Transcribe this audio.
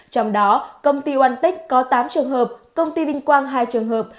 trong đó công ty onetech có tám trường hợp công ty vinh quang hai trường hợp